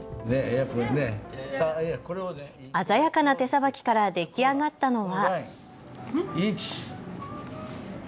鮮やかな手さばきからできあがったのは。